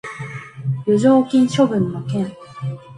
剰余金処分の件